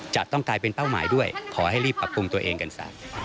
จะต้องกลายเป็นเป้าหมายด้วยขอให้รีบปรับปรุงตัวเองกันซะ